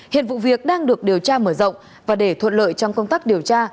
hiện vụ việc đang được điều tra mở rộng và để thuận lợi trong công tác điều tra